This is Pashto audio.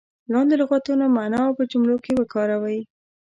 لاندې لغتونه معنا او په جملو کې وکاروئ.